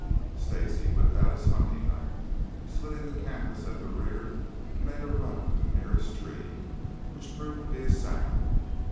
Stacy whipped out his hunting knife, slitting the canvas at the rear, and made a run for the nearest tree, which proved to be a sapling.